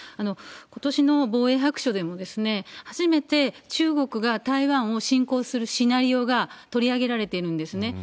ことしの防衛白書でも、初めて中国が台湾を侵攻するシナリオが取り上げられているんですね。